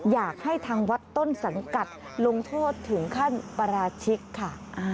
อยากให้ทางวัดต้นสังกัดลงโทษถึงขั้นปราชิกค่ะ